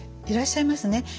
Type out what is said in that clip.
いらっしゃいますね。